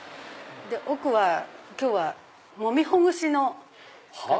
奥は今日はもみほぐしの方が。